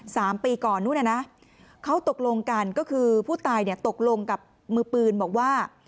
สามปีก่อนนู้นน่ะนะเขาตกลงกันก็คือผู้ตายเนี่ยตกลงกับมือปืนบอกว่า